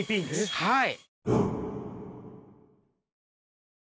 はい。